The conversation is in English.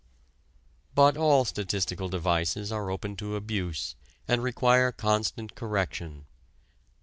But all statistical devices are open to abuse and require constant correction.